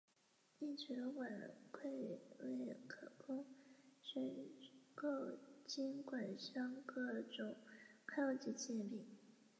该舰得名于流经日本中部地方的长良河。